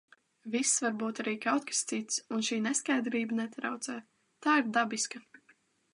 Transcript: Viss var būt arī kaut kas cits un šī neskaidrība netraucē, tā ir dabiska...